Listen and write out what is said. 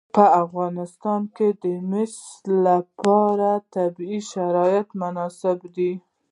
په افغانستان کې د مس لپاره طبیعي شرایط مناسب دي.